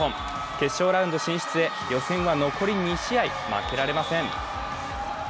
決勝ラウンド進出へ予選残り２試合負けられません。